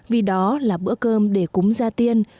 vì đó là bữa cơm để cúng gia tiên